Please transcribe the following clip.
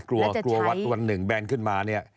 กลัววัดวันหนึ่งแบนขึ้นมา